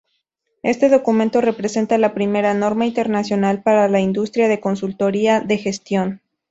Este documento representa la primera norma internacional para la industria de consultoría de gestión.